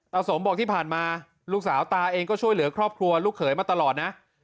สมบอกที่ผ่านมาลูกสาวตาเองก็ช่วยเหลือครอบครัวลูกเขยมาตลอดนะ